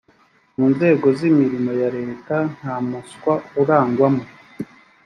mu nzego z imirimo ya leta nta muswa urangwamo